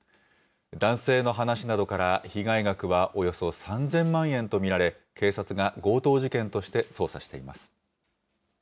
男性の話などから、被害額はおよそ３０００万円と見られ、警察が強盗事件として捜査しています。